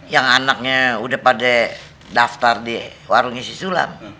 yang anaknya udah pada daftar di warung isi sulam